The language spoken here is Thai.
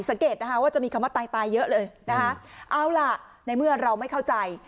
สังเกตนะคะว่าจะมีคำว่าตายตายเยอะเลยนะคะเอาล่ะในเมื่อเราไม่เข้าใจ